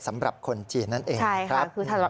สำหรับคนจีนนั่นเอง